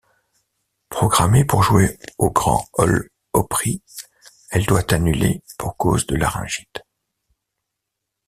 Programmée pour jouer au Grand Ol 'Opry, elle doit annuler pour cause de laryngite.